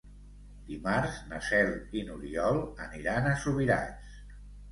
Dimarts na Cel i n'Oriol aniran a Subirats.